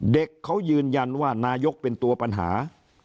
เด็กเขายืนยันว่านายกเป็นตัวปัญหา